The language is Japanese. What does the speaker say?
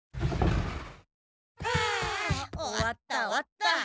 はあ終わった終わった。